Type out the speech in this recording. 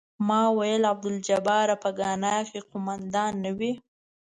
ما ویل عبدالجباره په ګانا کې قوماندان نه وې.